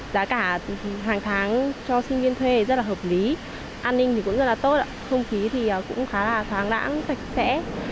giá cả hàng tháng cho sinh viên thuê rất là hợp lý an ninh cũng rất là tốt thông khí cũng khá là thoáng lãng sạch sẽ